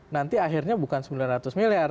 nanti akhirnya bukan sembilan ratus miliar